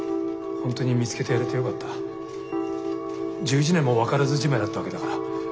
１１年も分からずじまいだったわけだから。